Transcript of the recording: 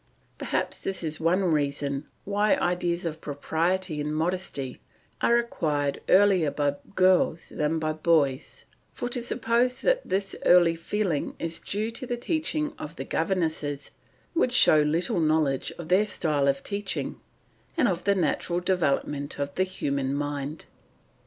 Perhaps this is one reason why ideas of propriety and modesty are acquired earlier by girls than by boys, for to suppose that this early feeling is due to the teaching of the governesses would show little knowledge of their style of teaching and of the natural development of the human mind.